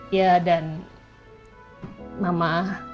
ya dan mama